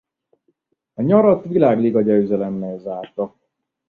A nyarat Világliga győzelemmel zárta.